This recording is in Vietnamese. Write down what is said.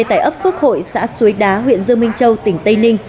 tại ấp phước hội xã suối đá huyện dương minh châu tỉnh tây ninh